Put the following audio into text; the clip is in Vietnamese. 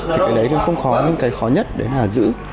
thì cái đấy không khó nhưng cái khó nhất đấy là giữ